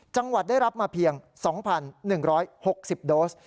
จังหวัดได้รับมาเพียง๒๑๖๐โดส